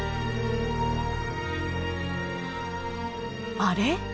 あれ？